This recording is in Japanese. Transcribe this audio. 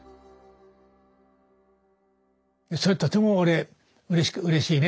それとても俺うれしいね。